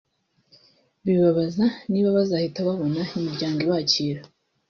bibaza niba bazahita babona imiryango ibakira